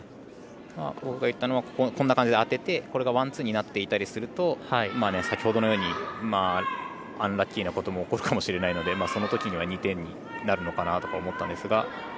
僕が言ったのはこんな感じで当てて、これがワン、ツーになってたりすると先ほどのようにアンラッキーなことも起こるかもしれないのでそのときには２点になるのかなと思ったんですが。